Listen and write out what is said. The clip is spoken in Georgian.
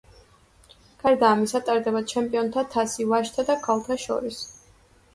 გარდა ამისა ტარდება ჩემპიონთა თასი ვაჟთა და ქალთა შორის.